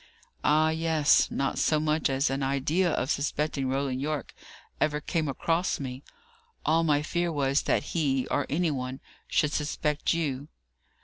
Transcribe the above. "Ah, yes. Not so much as an idea of suspecting Roland Yorke ever came across me. All my fear was, that he, or any one, should suspect you."